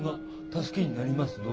助けになりますよ。